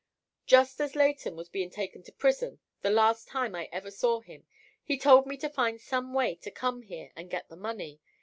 "Just as Leighton was being taken to prison, the last time I ever saw him, he told me to find some way to come here and get the money.